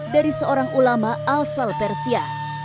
dari seorang ulama al salpersia